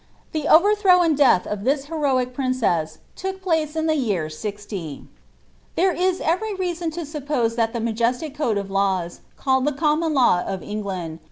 The overthrow and death of iliis heroic princess took place ia t year 60 ^. There is every reason to suppose tiiat the majestic code of "llied the comnmn law of EngJ'ind.